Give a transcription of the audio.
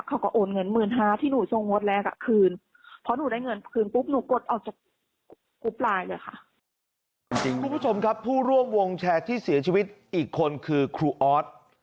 เขาก็โอนเงิน๑๕๐๐๐บาทที่หนูทรงงดแรกคืน